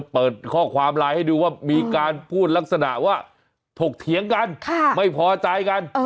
เปิดข้อความไลน์ให้ดูว่ามีการพูดลักษณะว่าถกเถียงกันไม่พอใจกัน